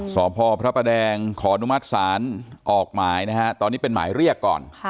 สพพระประแดงขอนุมัติศาลออกหมายนะฮะตอนนี้เป็นหมายเรียกก่อน